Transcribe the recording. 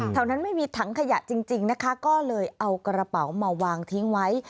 นั้นไม่มีถังขยะจริงนะคะก็เลยเอากระเป๋ามาวางทิ้งไว้